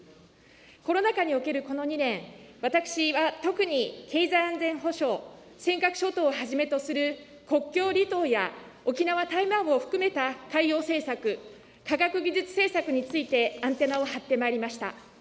コロナ禍におけるこの２年、私は特に経済安全保障、尖閣諸島をはじめとする国境離島や沖縄・台湾を含めた海洋政策、科学技術政策について、アンテナを張ってまいりました。